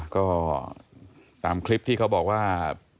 ก็ตามคลิปที่เขาบอกว่า